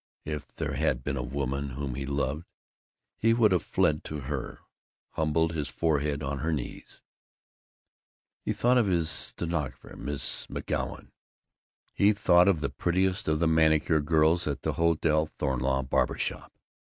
If there had been a woman whom he loved, he would have fled to her, humbled his forehead on her knees. He thought of his stenographer, Miss McGoun. He thought of the prettiest of the manicure girls at the Hotel Thornleigh barber shop.